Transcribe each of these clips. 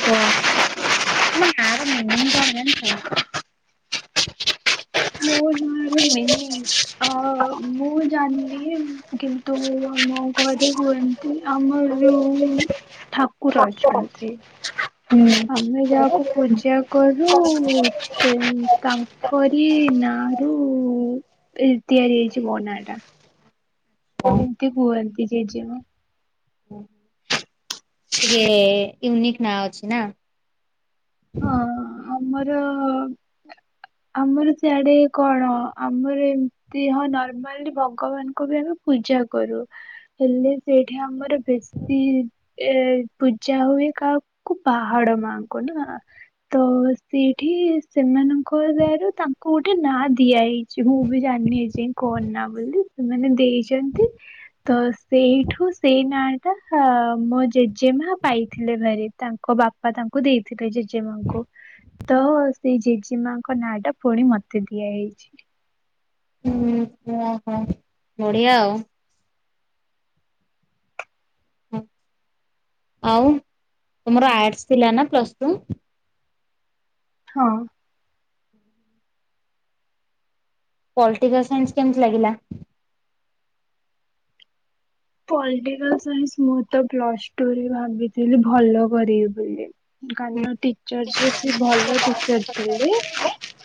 ଆରାମ ନିତି [unintelligible] ମଁ ନାଳ ମେନି। ଅ ମୁଁ ଜାଣିନି, କିନ୍ତୁ ଆମ ଘରେ କୁହନ ଆମର ଯୋଉ ଠାକୁର ଅଛନ୍ତି। ହୁଁ। ଆମେ ଯାହାକୁ ପୂଜା କରୁ ତାଙ୍କରି ନା ରୁ ତି-ତିଆରି ହେଇଛି ମୋ ନା ଟା। ଏମତି କୁହନ୍ତି ଜେଜେ ମା। ଟିକଏ ୟୁନିକ୍ ନାଁ ଅଛି ନା? ହଁ, ଆମର ଆମର ସେଆଡେ କଣ ଆମର ଏମତି ନର୍ମାଲି ଭଗବାନଙ୍କୁ ବି ଆମେ ପୂଜା କରୁ। ହେଲେ ସେଇଠି ଆମର ବେଶୀ ଏ ପୂଜା ହୁଏ କାହାକୁ ପାହାଡ ମାଆଙ୍କୁ ନା? ତ ସେଠି ସେମାନଙ୍କ ଦୟାରୁ ତାଙ୍କୁ ଗୋଟେ ନାଁ ଦିଆ ହେଇ ଚି ମୁଁ ବି ଜାଣିନି ଏଯାଏଁ କଣ ନା ବୋଲି, ସେମାନେ ଦେଇଛନ୍ତି। ତ ସେଇଠୁ ସେଇ ନାଁ ଟା ମୋ ଜେଜେମା ପାଇଥିଲେ ଭାରି। ତାଙ୍କ ବାପା ତାଙ୍କୁ ଦେଇଥିଲେ ଯେ ଜେଜେମାଙ୍କୁ, ତ ସେଇ ଜେଜେମାଙ୍କ ନାଁ ଟା ପୁଣି ମତେ ଦିଆ ହେଇଛି। ଓ ହୋ, ବଢିଆ ଆଉ। ଆଉ ତମର ଆଡ୍ସ୍ ଥିଲା ନା ପ୍ଲସଟୁ? ହଁ। ପଲ୍ଟିକାଲ ସାଇନ୍ସ୍ କେମତି ଲାଗିଲା? ପଲ୍ଟିକାଲ ସାଇନ୍ସ୍ ମୁଁ ତ ପ୍ଲସ୍ଟୁରେ ଭାବିଥିଲି ଭଲ କରିବି ବୋଲି। କାଇଁ ନା ଟିଚର ଯିଏ ସିଏ ଭଲ ଟିଚର ଥିଲେ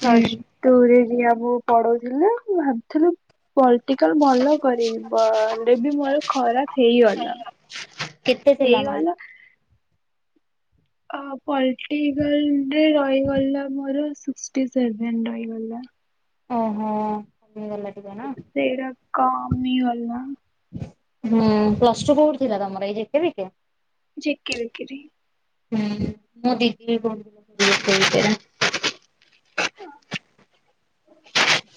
ପ୍ଲସ ଟୁ ରେ ବି ଆମକୁ ପଢଉଥିଲେ ମୁଁ ଭାବୁଥିଲୁ ପଲ୍ଟିକାଲ ଭଲ କରିବି, ବ ହେଲେ ବି ମୋର ଖରାପ ହେଇ ଗ କେତେ ଥିଲା ମାର୍କ? ଆ ପଲ୍ଟିକାଲରେ ରହିଗଲା ମୋର ସିକ୍ସଟି ସେଭେନ ରହିଗଲା। ଓ ହୋ ହେଇ ଗଲା ଟିକେ ନା। ସେଇଟା କମିଗଲା। ହୁଁ ପ୍ଲସ ଟୁ କୋଉଠି ଥିଲା ତମର ଏଇ ଯିଟି ବିରେ। ଯିକି ମିକିରି। ହୁଁ ମୁଁ ଡିଗ୍ରୀ କରୁଥିଲି ବି ସେଇଟରେ।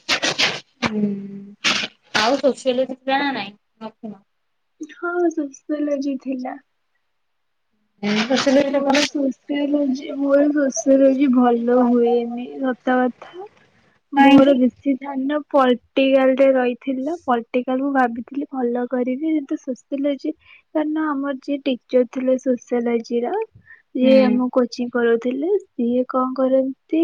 [inaudible] ହୁଁ ଆଉ ସୋସିଆଲଜି ଥିଲା ନାଁ ନାଇଁ? ନଥିଲା। ହଁ ସୋଷିଓଲଜି ଥିଲା। ଏଣୁ ତ ସିଲ ମୋର ସୋସ ସ୍ୟ ଲଜି ମୋର ଶୋଷିଓଲୋଜି ଭଲ ହୁଏନି ସତ କଥା। ମୋର କାହିଁକି? ବେଶୀ ଧ୍ୟାନ ପଲ୍ଟିକାଲରେ ରହିଥିଲା ପଲ୍ଟିକାଲ ମୁଁ ଭାବିଥିଲି ଭଲ କରିବି କିନ୍ତୁ ସୋସ୍ୟଲୋଜି କାରଣ ଆମର ଯିଏ ଟିଚର ଥିଲେ ସୋସ୍ୟଲୋଜିର। ସିଏ ହୁଁ ଆମ କୋଚିଂ କରଉଥିଲେ, ସିଏ କଣ କରନ୍ତି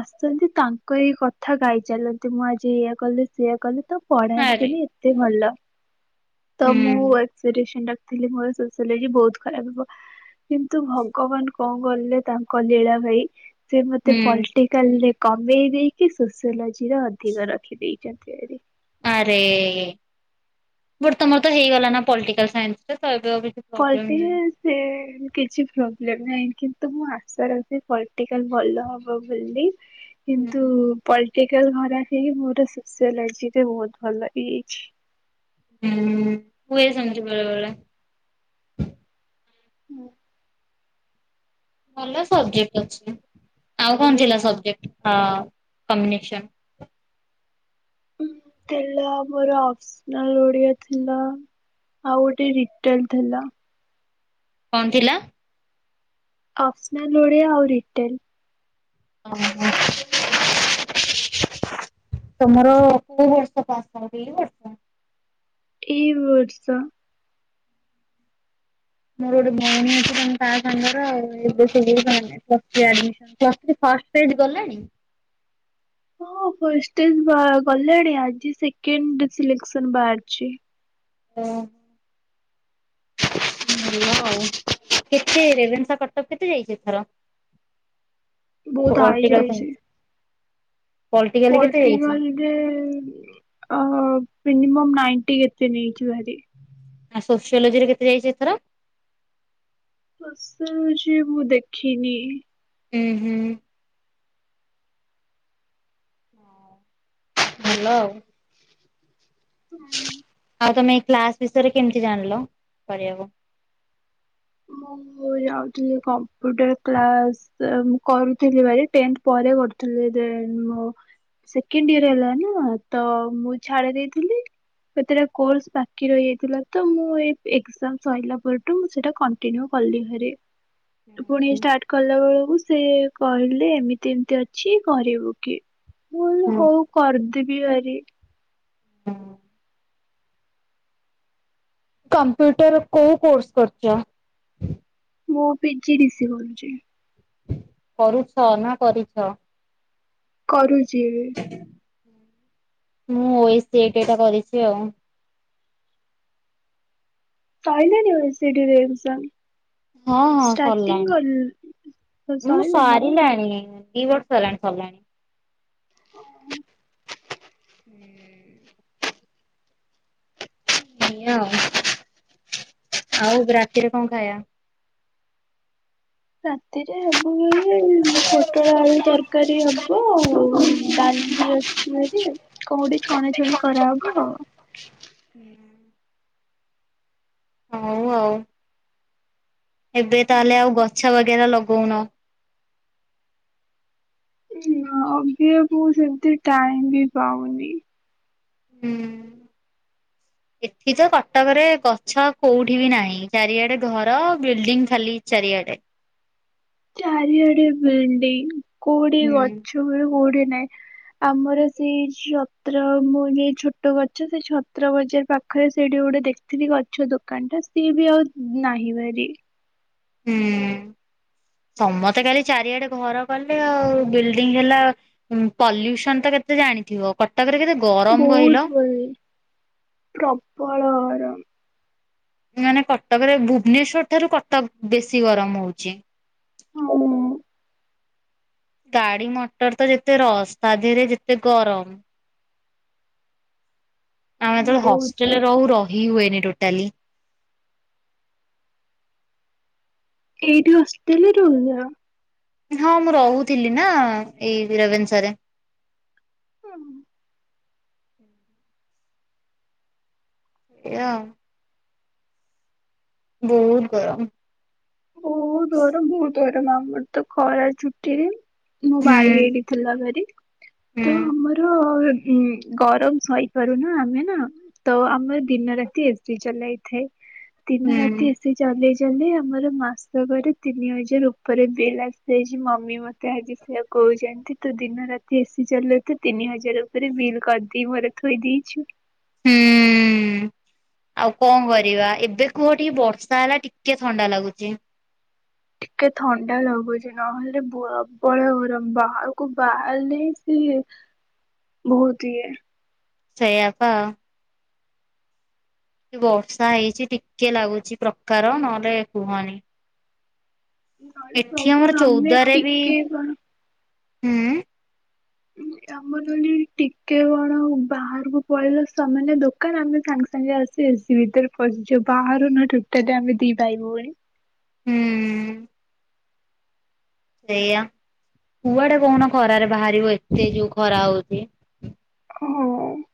ଆସନ୍ତି ତାଙ୍କ ଏଇ କଥା ଥା ଗାଇଚାଲନ୍ତି ମୁଁ ଆଜି ଏଇଆ କଲି ସେଇଆ କଲି ତ ଆରେ ପଢାନ୍ତିନି ଏତେ ଭଲ ତ ହୁଁ ମୁଁ ସିରି ସେଣ୍ଡକ୍ ଥିଲି ମୋର ସୋସିଓଲୋଜି ବହୁତ ଖରାପ ହେବ। କିନ୍ତୁ ଭଗବାନ କଣ କଲେ ତାଙ୍କ ଲୀଳା ଭାଇ ସେ ମତେ ହୁଁ ପଲ୍ଟି କାଲ୍ ରେ କମେଇ ଦେଇକି ସୋସିଓଲୋଜିର ଅଧିକ ରଖିଦେଇଛନ୍ତି ଆରି। ଆରେ ବଟ୍ ତମର ତ ହେଇଗଲା ନା ପଲ୍ଟିକାଲ ସାଇନ୍ସ୍ ରେ ତ ଏବେ ଆଉ କିଛି ପ୍ରୋବ୍ଲେମ ନାହିଁ। ପଲ୍ଟଟିକାଲ। ସେ କିଛି ପ୍ରୋବ୍ଲେମ ନାହିଁ କିନ୍ତୁ ମୁଁ ଆଶା ରଖିଛି ପଲିଟିକାଲ ଭଲ ହବ। ବଭୋଲ୍ଲୀ ହୁଁ କିନ୍ତୁ ପଲ୍ଟିକାଲ ଖରାପ ହେଇକି ମୋର ସୋସିଅଲୋଜିରେ ବହୁତ ଭଲ ହେଇଯାଇଛି। ହୁଁ ହୁଏ ସେମିତି ବେଳେବେଳେ। ହୁଁ। ଭଲ ସବଜେକ୍ଟ ଅଛି, ଆଉ କଣ ଥିଲା ସବଜେକ୍ଟ ହଁ କମ୍ବୀନେସନ? ଉଁ ଥିଲା ମୋର ଅଫସନାଲ ଓଡିଆ ଥିଲା। ଆଉ ଗୋଟେ ରିଟେଲ ଥିଲା। କଣ ଥିଲା? ଅଫ୍ସନାଲ୍ ଓଡ଼ିଆ ଆଉ ରିଟେଲ୍। ଓ ହୋ। [inaudible] [inaudible] ତମର କୋଉ ବର୍ଷ ପାଶ୍ ଆଉଟ୍ ଏଇ ବର୍ଷ? ଏଇ ବର୍ଷ। ମୋର ଗୋଟେ ଭଉଣୀ ଅଛି ତମେ ତା ସାଙ୍ଗରେ ଆଉ ଏବେ ସେ [unintelligible] plus three admission. Plus three first stage ଗଲାଣି? ହଁ ଫଷ୍ଟ ଷ୍ଟେଜ ବା ଗଲାଣି ଆଜି ସେକେଣ୍ଡ ସିଲେକ୍ସନ ବାହାରିଛି। ଓହୋ ଭଲ ଆଉ, କେତେ ରେଭେନ୍ସା କଟକ କେତେ ଯାଇଛ ଏଥର? ବହୁତ ହାଇ ପଲଟିକାଲ ଯାଇଛି। ସାଇନ୍ସ ପଲଟିକାଲ କେତେ ଯାଇଛି ପଲିଟିିକାଲ ରେ ଅ ମିନିମମ୍ ନାଇଣ୍ଟି କେତ ନେଇଛି ଭାରି। ଆଉ ସୋସିଓଲୋଜି ରେ କେତ ଯାଇଛି ଏଥର? ସୋସିଓଲୋଜି ମୁଁ ଦେଖିନି। ଉଁ ହୁଁ। ଭଲ ଆଉ। ଆଉ ତମେ ଏଇ କ୍ଲାସ ବିଷୟରେ କେମିତି ଜାଣିଲ କରିବାକୁ? ମୁଁ ଯାଉଥିଲି କମ୍ପ୍ୟୁଟର କ୍ଲାସ। ସେ ମୁ କରୁଥିଲି ଭାଇ ଟେନ୍ଥ ପରେ କରୁଥିଲି ଦେନ୍ ମୋ ସେକେଣ୍ଡ ଇୟର ହେଲା ନା ତ ମୁଁ ଛାଡ ଦେଇଥିଲି। ସେଥିରେ କୋର୍ସ ବାକି ରହିଯାଇଥିଲା ତ ମୁଁ ଏଇ ଏକ୍ଜାମ ସରିଲା ପରଠୁ ମୁଁ ସେଇଟା କଣ୍ଟ କନ୍ତିନିଉ କଲି ହରି। ପୁଣି ଷ୍ଟାର୍ଟ କଲା ବେଳକୁ ସେକହିଲେ ଏମିତି ଏମିତି ଅଛି କରିବୁକି? ମୁଁ ହିଲି ହଉ କରିଦେବି ଭରି ହ। କମ୍ପ୍ୟୁଟର କୋଉ କୋର୍ସ କରୁଚ? ମୁଁ ପି ଜି ଡି ସିି କରୁଚି। କରୁଛ ନା କରିଛ? କରୁଚି। ହୁଁ ମୁଁ ଏସି ଏ ଟା ଟା କରିଛି ଆଉ। ସଇଲାଣି ଏନ୍ ସି ଡ଼ି ର ଏକଜାମ୍? ହଁ ହଁ ସରିଲାଣି। ମୁଁ ସଇଲାଣି। ସାରିଲାଣି ଦି ବର୍ଷ ର୍ଷ ହେଲାଣି ସର୍ଲାଣି। ହୁଁ। ଭଲ ଆଉ ରାତିରେ କଣ ଖାଇବା? ରାତିରେ ହେବ ଏ ପୋଟଳ ଆଳୁ ତରକାରୀ ହବ ଆଉ ଡାଲି ଅଛି ହରି। କଣ ଗୋଟେ ଛଣାଛଣି କରାହବ ଆଉ। ହୁଁ। ହଉ ଆଉ। ଏବେ ତାହେଲେ ଆଉ ଗଛ ବଗେରା ଲଗଉନ? ନା ଏବିକା ମୁ ସେମତି ଟାଇମ ବି ପାଉନି। ହୁଁ। [inaudible] ଏଠି ତ କଟକରେ ଗଛ କୋଉଠି ବି ନାହିଁ। ଚାରିଆଡେ ଘର ବିଲ୍ଡିଂ ଖାଲି ଚାରିଆଡେ। ଚାରିଆଡେ ବିଲ୍ଡି କୋଉଠି ହୁଁ। ଗଛ ବି କୋଉଠି ନାହିଁ। ଆମର ସେଇ ଛତ୍ର ମୁଁ ଯୋଉ ଛୋଟ ଗଛ ସେ ଛତ୍ର ବଜାର ପାଖ ଖରେ ସେଇଠି ଗୋଟେ ଦେଖିଥିଲି ଗଛ ଦୋକାନ ଟା ସିଏ ବି ଆଉ ନାହିଁ ଭାରି। ହୁଁ ସମସ୍ତେ କାଲି ଚାରିଆଡେ ଘର କଲେ ଆଉ ବିଲ୍ଡିଙ୍ଗ ହେଲା। ହୁଁ ପଲ୍ୟୁସନ ତ କେତେ ଜାଣିଥିବ। କଟକରେ କେତେ ଗରମ କହିଲ? ବହୁତ ବୁଲି ପ୍ରବଳ ଗରମ। ଆ ମାନେ କଟକରେ ଭୁବନେଶ୍ଵର ଠାରୁ କଟକ ବେଶୀ ଗରମ ହଉଚି। ହ ହଁ। ଗାଡି ମଟର ତ ଯେତେ ରସ୍। ତା ଧରେ ଯେତେ ଗରମ। ଆମେ ଯେତେବେଳେ ବହୁତ ହଷ୍ଟେଲରେ ରହୁ। ରହି ହୁଏନି ଟୋଟାଲି। ଏଇଠି ହଷ୍ଟେଲ ରେ ରହୁଚ। ହଁ ମୁଁ ରହୁଥିଲି ନା ଏଇ ବୀରବନ୍ସରେ। ଓ ହୋ। ଏହା ବହୁତ ଗରମ। ବହୁତ ଗରମ ବହୁତ ଗରମ। ଆମର ତ ଖରା ଛୁଟିରେ ମୋ ଭାଇ ହୁଁ। ଏଇଠି ଥିଲା ଭାରି। ତ ହୁଁ ଆମର ହୁଁ ଗରମ ସୋଇପାରୁନା ଆମେ ନା ତ ଆମର ଦିନ ରାତି ଏସି ଚଲାଇଥାଏ। ହୁଁ ଦିନ ରାତି ଏସି ଚଳେଇ ଚଳେଇ ଆମର ମାସକରେ ତିନି ହଜାର ଉପରେ ବିଲ୍ ଆସିଯାଇଚି। ମମି ମତେ ଆଜି ସେଆକୁ କହୁଚନ୍ତି ତୁ ଦିନ ରାତି ଏସି ଚଲେଇଚୁ ତୁ ତିନି ହଜାର ଉପରେ ବିଲ୍ କରିଦେଇ ଘରେ ଥୋଇ ଦେଇଚୁ। ହୁଁ। ଆଉ କଣ କରିବା। ଏବେ କୁହ ଟିକେ ବର୍ଷା ହେଲା ଟିକେ ଥଣ୍ଡା ଲାଗୁଚି। ଟିକେ ଥଣ୍ଡା ଲାଗୁଛଚି। ନହେଲେ ପ୍ରବଳ ଗରମ। ବାହାରକୁ ବାହାରିଲେ ହିଁ ସିଏ ବହୁତ ଇଏ ସେୟାପା। ବର୍ଷା ହେଇଛି ଟିକେ ଲାଗୁଚି ପ୍ରକାର ନହେଲେ କୁହନି। ନହେଲେ ଏଠି ପ୍ରବଳ ଆମର ଆମେ ଚୋଉଦାରେ ବି ଟିକେ କଣ ହୁଁ। ଉଁ ଅ ମୁଁ ମନେ ଟିକେ କଣ ବାହାରକୁ ପଳେଇଲେ ସେମାନେ ଦୋକାନ ଆମେ ସାଙ୍ଗେ ସାଙ୍ଗେ ଆସି ଏସି ଭିତରେ ଖସିଛ ବାହାରୁନ ଆମେ ଟୋଟାଲି ଆମେ ଦି ଭାଇ ଭୋଉଣୀ। ହୁଁ। ସେଇଆ କୁଆ ଟା କୋହୁନ ଖରାରେ ବାହାରିବ ଏତେ ଯୋଉ ଖରା ହୋଉଚି। ହଁ।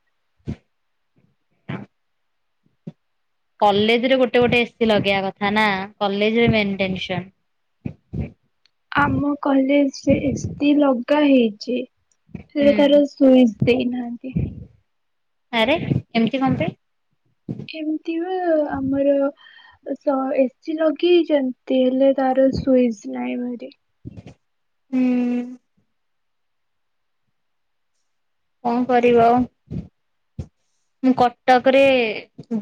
କଲେଜରେ ଗୋଟେ ଗୋଟେ ଏସି ଲଗେଇବା କଥା ନା କଲେଜରେ ମେନ୍ ଟେନ୍ନସନ୍ ଆମ କଲେଜ୍ ରେ ଏସି ଲଗା ହେଇଚି। ସେଟା ତାର ହୁଁ ସୁଇଜ୍ ଦେଇନାହାନ୍ତି। ଆରେ ଏମିତି ମତେ ଏମିତି ବା ଆମର ସ ଏସିି ଲଗେଇଚନ୍ତି ହେଲେ ତାରା ସୁଇଜ୍ ନାଇ ଏମିତି। ହୁଁ। କଁ କରିବ ଆଉ ମୁଁ କଟକ୍ ରେ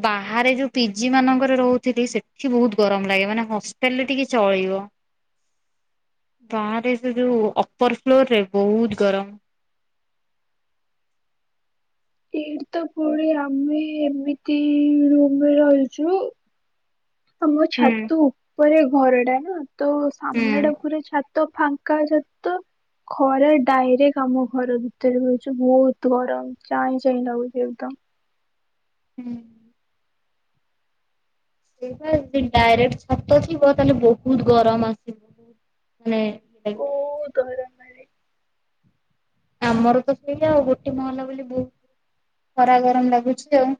ବାହାରେ ଯୋଉ ପିଜି ମାନଙ୍କରେ ରହୁଥିଲି ସେଠି ବୋହୁତ୍ ଗରମ୍ ଲାଗେ ମାନେ ହଷ୍ଟେଲରେ ଟିକେ ଚଳିବ। ବାହାରେ ସେ ଯୋଉ ଅପର୍ ଫ୍ଲୋର୍ ରେ ବୋହୁତ୍ ଗରମ୍। ଏଇଠି ତ ପୁଣି ଆମେ ଏମିତି ରୁମ୍ ରେ ରହିଚୁ। ଆ ମୋ ହୁଁ ଛାତୁ ଉପରେ ଘର ଟା ନା ତ ହୁଁ। ସାମ୍ନା ଟା ପୁରା ଛା ତ ଫାଙ୍କା ଯେ ତ ଖରା ଡାଇରେକ୍ ଆମ ଘର ଭିତରେ ରଚୁ ବୋହୁତ୍ ଗରମ୍। ଚାଇଁ ଚାଇଁ ଲାଗୁଚି ଏକଦମ୍। ହୁଁ। ସେଇ ପା ଦି ଡାଇରେକ୍ଟ୍ ଛାତ ଥିବ ତାହେଲେ ବହୁତ ଗରମ ଆସିବ ମାନେ ଓ ତ ହେରା ଆମର ତ ସେଇା ଆଉ ଗୋଟେ ମହଲା ବୋଲି ବହୁତ୍ ଖରା ଗରମ ଲାଗୁଛି ଆଉ।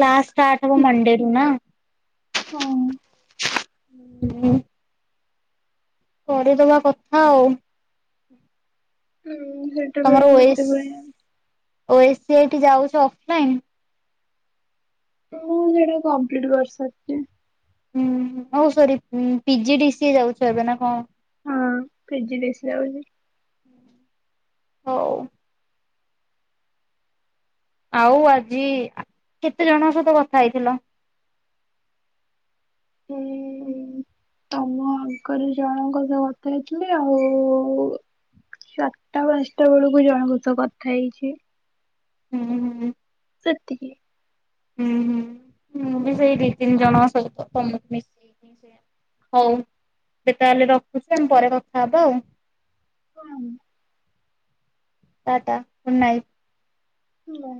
କ୍ଲାସ୍ ଷ୍ଟାର୍ଟ୍ ହବ ମଣ୍ଡେରୁୁ ନା। ହଁ କରିଦବା କଥା ଆଉ। ହୁଁ ହୁଁ। ତମର ଓଏସ୍ ଓଏସ୍ ସିଆଟି ଏଇଠି ଯାଉଛ ଅଫଲାଇନ୍। ମୁଁ ସେଟା କମ୍ପଲିଟ୍ କରି ସରିଚି। ହୁଁ ହୋଉ ସରି ପିଜି ଡିସି ଯାଉଛ ଏବେ ନା କଣ? ହଁ ପିଜି ଡିସି ଯାଉଚି। ହୋଉ। ଆଉ ଆଜି ଆ-କେତେ ଜଣଙ୍କ ସହିତ କଥା ହେଇଥିଲ? ହୁଁ। ଅଙ୍କଲ୍ ଜଣଙ୍କ ସହ କଥା ହେଇଥିଲି ଆଉ ଚାର୍ ଟା ପାଞ୍ଚଟା ବେଳକୁ ଜଣକ ସହ କଥା ହେଇଚି। ହୁଁ ହୁଁ। ସେତିକି। ହୁଁ ହୁଁ ମୁଁ ବି ସେଇ ଦି ତିନି ଜଣଙ୍କ ସହିତ ତମକୁ ମି ହୋଉ ଏବେ ତାହେଲେ ରଖୁଚି ଆମେ ପରେ କଥା ହବା ଆଉ। କନ୍ ଟା ଟା ଗୁଡ୍ ନାଇଟ୍। ହୁଁ।